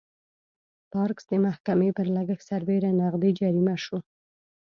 پارکس د محکمې پر لګښت سربېره نغدي جریمه شوه.